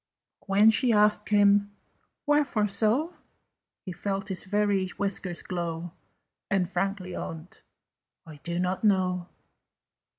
But when she asked him "Wherefore so?" He felt his very whiskers glow, And frankly owned "I do not know."